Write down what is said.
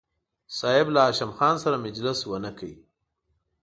صاحب له هاشم خان سره مجلس ونه کړ.